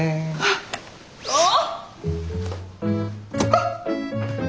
あっ。